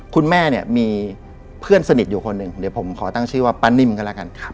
คุณแม่เนี่ยมีเพื่อนสนิทอยู่คนหนึ่งเดี๋ยวผมขอตั้งชื่อว่าป้านิ่มกันแล้วกัน